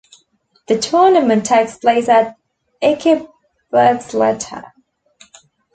The tournament takes place at Ekebergsletta.